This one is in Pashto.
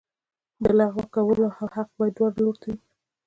د لغوه کولو حق باید دواړو لورو ته وي.